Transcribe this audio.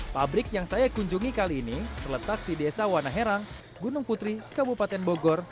pabrik yang saya kunjungi kali ini terletak di desa wanaherang gunung putri kabupaten bogor